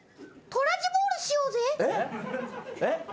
トラジボールしようぜ。